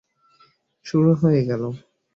শুরু হয়ে গেল।